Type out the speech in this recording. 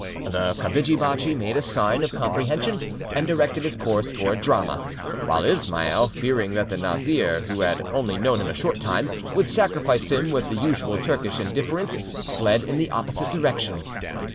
The kapidgi bachi made a sign of comprehension, and directed his course towards Drama; while Ismail, fearing that the Nazir, who had only known him a short time, would sacrifice him with the usual Turkish indifference, fled in the opposite direction.